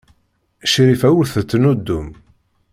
Crifa ur tettnuddum.